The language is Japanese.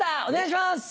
お願いします！